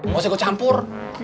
gak usah gue campur